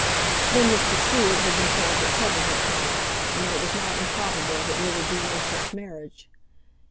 Then Mr. Seward had been told that trouble had come, and that it was not improbable that there would be no such marriage.